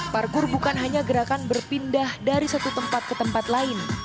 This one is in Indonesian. parkur bukan hanya gerakan berpindah dari satu tempat ke tempat lain